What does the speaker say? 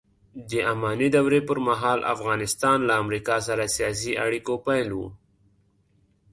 د اماني دورې پرمهال افغانستان له امریکا سره سیاسي اړیکو پیل و